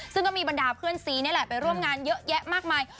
ซึ่งก็มีบรรดาเพื่อนซีนี่แหละไปร่วมงานเยอะแยะมากมาย